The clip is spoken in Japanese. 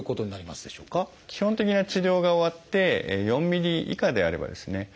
基本的な治療が終わって４ｍｍ以下であればですね